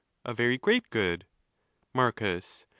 —A very great good. Marcus.